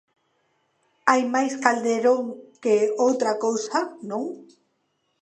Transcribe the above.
Hai mais Calderón que outra cousa, non?